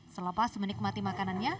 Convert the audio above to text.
setelah pas menikmati makanannya